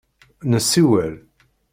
Nessiwel.